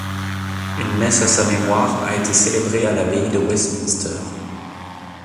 Une messe à sa mémoire a été célébrée à l'abbaye de Westminster.